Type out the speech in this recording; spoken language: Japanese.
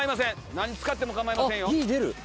何使っても構いませんよ。